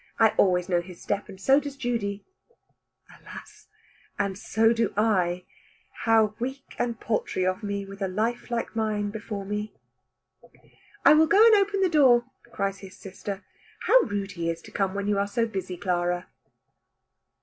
I always know his step, and so does Judy." Alas! and so do I. How weak and paltry of me, with a life like mine before me! "I will go and open the door," cries his sister; "how rude he is to come when you are so busy, Clara."